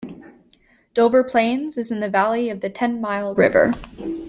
Dover Plains is in the valley of the Ten Mile River.